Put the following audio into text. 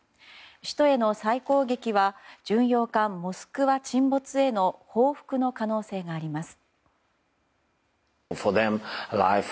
首都への再攻撃は巡洋艦「モスクワ」沈没への報復の可能性があります。